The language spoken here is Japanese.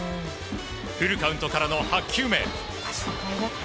フルカウントからの８球目。